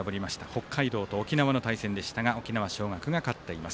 北海道と沖縄の対戦でしたが沖縄尚学が勝っています。